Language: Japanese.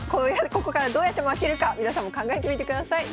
ここからどうやって負けるか皆さんも考えてみてください。